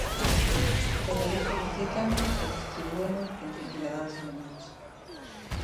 Todo iso recíclano e distribúeno entre cidadáns alemáns.